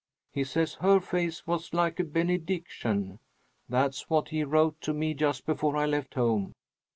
He says her face was like a benediction. That's what he wrote to me just before I left home.